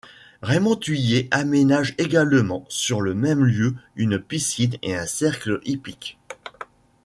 Raymond Thuilier aménage également sur le même lieu une piscine et un cercle hippique.